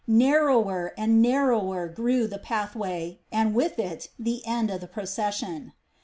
Narrower and narrower grew the pathway, and with it the end of the procession.